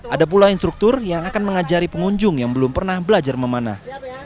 ada pula instruktur yang akan mengajari pengunjung yang belum pernah belajar memanah